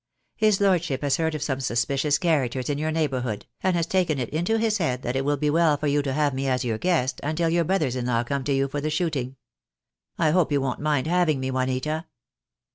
His lord ship has heard of some suspicious characters in your neighbourhood, and has taken it into his head that it will be well for you to have me as your guest until your brothers in law come to you for the shooting. I hope you won't mind having me, Juanita?"